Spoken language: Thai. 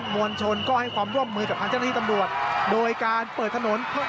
มวลชนก็ให้ความร่วมมือกับทางเจ้าหน้าที่ตำรวจโดยการเปิดถนน